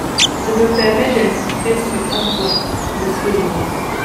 Je me permets d’insister sur un point, monsieur le ministre.